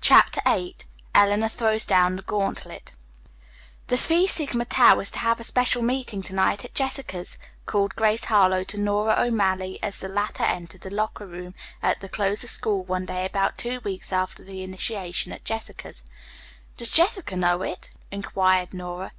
CHAPTER VIII ELEANOR THROWS DOWN THE GAUNTLET "The Phi Sigma Tau is to have a special meeting to night at Jessica's," called Grace Harlowe to Nora O'Malley as the latter entered the locker room at the close of school one day about two weeks after the initiation at Jessica's. "Does Jessica know it?" inquired Nora.